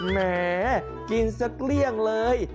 แหมกินสักเกลี้ยงเลย